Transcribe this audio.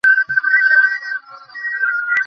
চুপ করো আর আমার শহরকে রক্ষা করো।